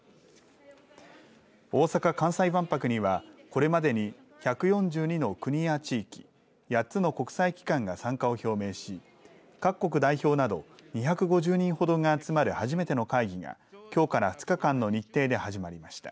大阪・関西万博にはこれまでに１４２の国や地域８つの国際機関が参加を表明し各国代表など２５０人ほどが集まる初めての会議がきょうから２日間の日程で始まりました。